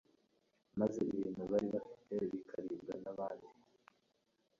maze ibintu bari bafite bikaribwa n’abandi?